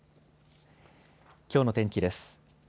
きょうの天気です。